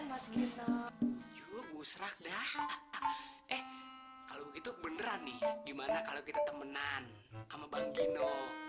mas gino tujuh busrak dah eh kalau begitu beneran nih gimana kalau kita temenan sama bang gino